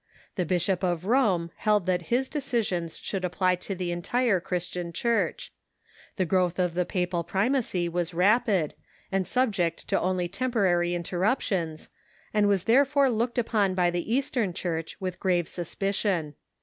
The Bishop of Rome held that his decisions should apjjly to the entire Christian Church. The growth of the papal Roman pj.ji^r^^.y ^yjj^g i apid, and subject to only temporary in terruptions, and was therefore looked upon by the Eastern Church with grave suspicion.